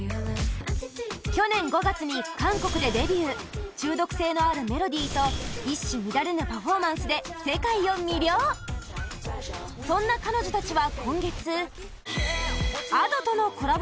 去年５月に韓国でデビュー中毒性のあるメロディーと一糸乱れぬパフォーマンスで世界を魅了そんな彼女たちは今月Ａｄｏとのコラボ